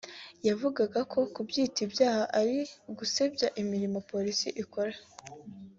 yavugaga ko kubyita icyaha ari ugusebya imirimo Polisi ikora